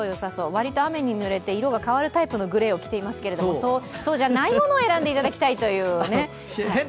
割と雨にぬれて色が変わるタイプのグレーを着ていますけれどもそうじゃないものを選んでいただきたいという。